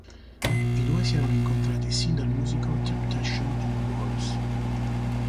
I due si erano incontrati sin dal musical "Temptation of Wolves".